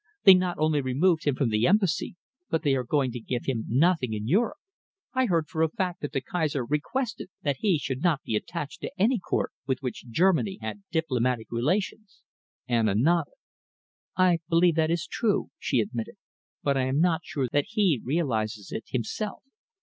They not only removed him from the Embassy, but they are going to give him nothing in Europe. I heard for a fact that the Kaiser requested that he should not be attached to any Court with which Germany had diplomatic relations." Anna nodded. "I believe that it is true," she admitted, "but I am not sure that he realises it himself.